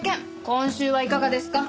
今週はいかがですか？